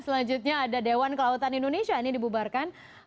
selanjutnya ada dewan kelautan indonesia ini dibubarkan